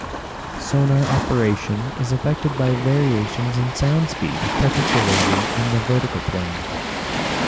Sonar operation is affected by variations in sound speed, particularly in the vertical plane.